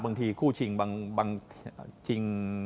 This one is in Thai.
บางทีคู่ชิงบางทีชิง